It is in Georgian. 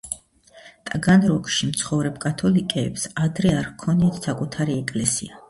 ტაგანროგში მცხოვრებ კათოლიკეებს ადრე არ ჰქონიათ საკუთარი ეკლესია.